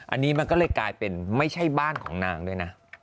อันนี้มันก็เลยกลายเป็นไม่ใช่บ้านของนางด้วยนะ